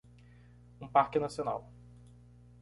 um parque nacional